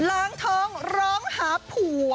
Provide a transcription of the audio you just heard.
ล้างท้องร้องหาผัว